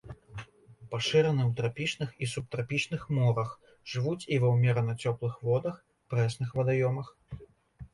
Пашыраны ў трапічных і субтрапічных морах, жывуць і ва ўмерана цёплых водах, прэсных вадаёмах.